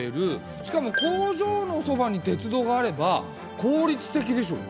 しかも工場のそばに鉄道があれば効率的でしょ。